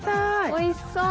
おいしそう！